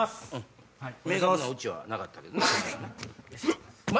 オチはなかったけどな。